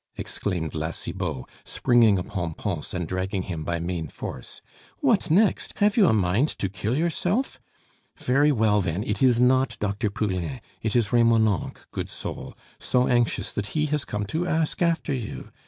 exclaimed La Cibot, springing upon Pons and dragging him by main force. "What next! Have you a mind to kill yourself? Very well, then, it is not Dr. Poulain, it is Remonencq, good soul, so anxious that he has come to ask after you!